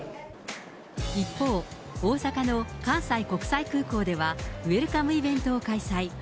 一方、大阪の関西国際空港では、ウエルカムイベントを開催。